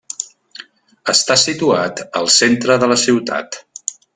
Està situat al centre de la ciutat.